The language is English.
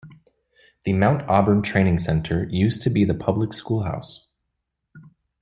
The Mount Auburn Training Center used to be the public school house.